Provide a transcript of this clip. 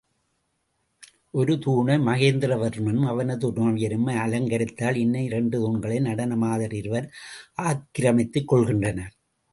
ஒரு தூணை மகேந்திரவர்மனும் அவனது துணவியரும் அலங்கரித்தால், இன்னும் இரண்டு தூண்களை நடன மாதர் இருவர் ஆக்கிரமித்துக் கொள்கின்றனர்.